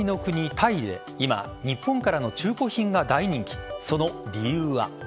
タイで今、日本からの中古品が大人気。